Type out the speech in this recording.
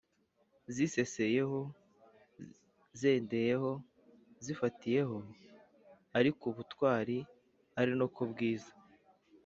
ziseseyeho: zendeyeho, zifatiyeho ari ku butwari ari no kubwiza